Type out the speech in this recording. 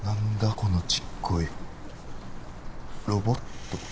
このちっこいロボット？